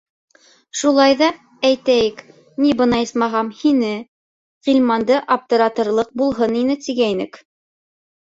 Шулай ҙа, әйтәйек, ни, бына, исмаһам, һине, Ғилманды аптыратырлыҡ булһын ине тигәйнек.